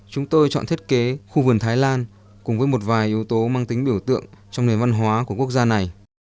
chúng tôi chọn thiết kế khu vườn thái lan cùng với một vài yếu tố mang tính biểu tượng trong nền văn hóa của quốc gia này